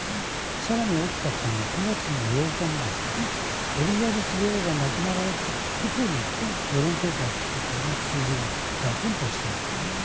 更に大きかったのが９月８日にエリザベス女王が亡くなられた以降に世論調査やった時の数字がガクンと落ちているんですね。